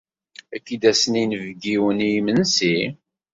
Ad k-id-asen yinebgiwen i yimensi?